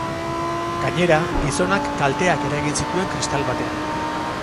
Gainera, gizonak kalteak eragin zituen kristal batean.